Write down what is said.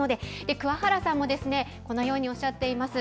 くわ原さんも、このようにおっしゃっています。